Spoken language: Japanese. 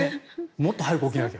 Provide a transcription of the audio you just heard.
もっと早く起きなきゃ。